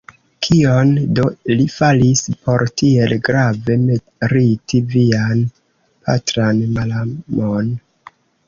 Kion do li faris, por tiel grave meriti vian patran malamon?